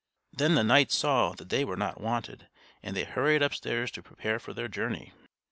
Then the knights saw that they were not wanted, and they hurried upstairs to prepare for their journey.